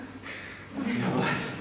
やばい。